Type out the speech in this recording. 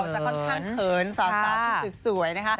จะค่อนข้างเขินสาวที่สวยนะคะ